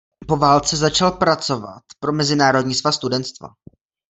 Po válce začal pracovat pro Mezinárodní svaz studentstva.